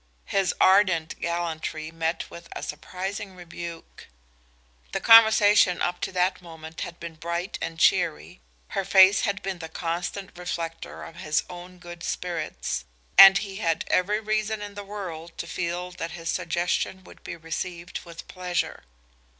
His ardent gallantry met with a surprising rebuke. The conversation up to that moment had been bright and cheery, her face had been the constant reflector of his own good spirits, and he had every reason in the world to feel that his suggestion would be received with pleasure.